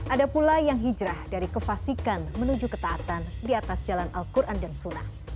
ada pula yang hijrah dari kevasikan menuju ketaatan di atas jalan al quran dan sunnah